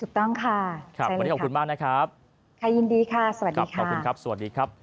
ถูกต้องค่ะใช่เลยครับค่ะยินดีค่ะสวัสดีค่ะสวัสดีครับ